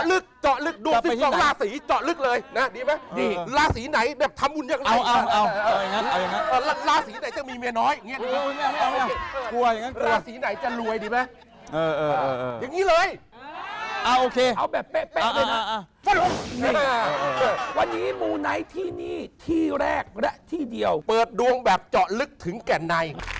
ต่อลึกต่อลึกดวงชิ้นของลาศรีต่อลึกเลยนะที่วันนี้หมูไนที่นี้ที่แรกและที่เดียวเปิดดวงแบบเจาะลึกถึงแก่ใน